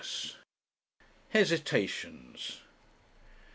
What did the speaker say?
HESITATIONS.